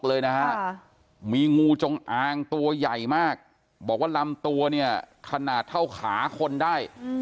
เลยนะฮะมีงูจงอางตัวใหญ่มากบอกว่าลำตัวเนี่ยขนาดเท่าขาคนได้